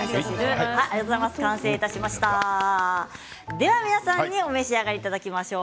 では皆さんにお召し上がりいただきましょう。